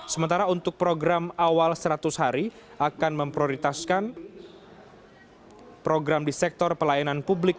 sementara untuk program awal seratus hari akan memprioritaskan program di sektor pelayanan publik